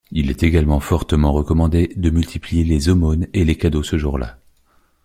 Il est également fortement recommandé de multiplier les aumônes et les cadeaux ce jour-là.